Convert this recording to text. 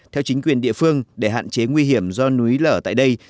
theo chính quyền địa phương để hạn chế nguy hiểm do núi lở tại đây